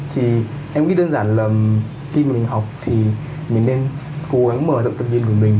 thì em nghĩ đơn giản là khi mà mình học thì mình nên cố gắng mở rộng tầm nhìn của mình